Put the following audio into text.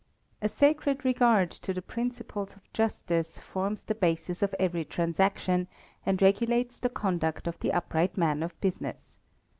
A sacred regard to the principles of justice forms the basis of every transaction, and regulates the conduct of the upright man of business.